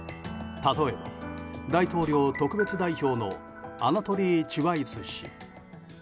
例えば大統領特別代表のアナトリー・チュバイス氏。